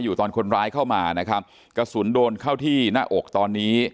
อยู่ตอนคนร้ายเข้ามานะครับกระสุนโดนเข้าที่หน้าอกตอนนี้